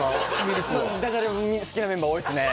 ＬＫはダジャレ好きなメンバー多いっすね